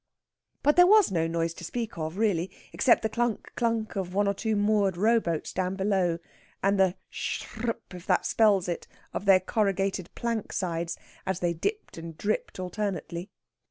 But there was no noise to speak of, really, except the clunk clunk of one or two moored rowboats down below, and the sh r r r r p (if that spells it) of their corrugated plank sides, as they dipped and dripped alternately.